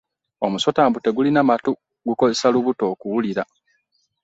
Omusota mbu tegulina matu gukozesa lubuto okuwulira.